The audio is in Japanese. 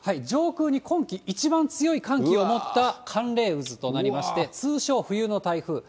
上空に今季一番強い寒気を持った寒冷渦となりまして、通称、冬の台風。